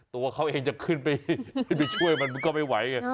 ตัวเขาเองจะขึ้นไปช่วยมันมันก็ไม่ไหวไง